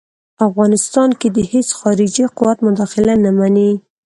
افغانستان کې د هیڅ خارجي قوت مداخله نه مني.